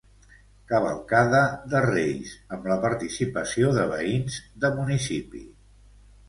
Cavalcada de reis, amb la participació de veïns de municipi.